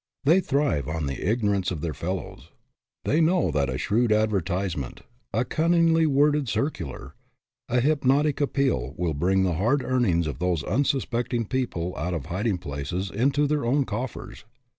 They thrive on the ignorance of their fellows. They know that a shrewd advertisement, a cun ningly worded circular, a hypnotic appeal will bring the hard earnings of these unsuspecting people out of hiding places into their own coffers.